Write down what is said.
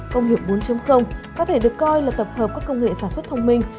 công nghiệp bốn có thể được coi là tập hợp các công nghệ sản xuất thông minh